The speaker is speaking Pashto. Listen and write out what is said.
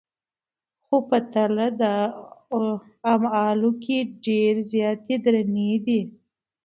خو په تله د اعمالو کي ډېرې زياتي درنې دي